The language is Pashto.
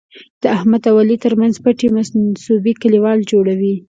د احمد او علي تر منځ پټې منصوبې کلیوال جوړوي.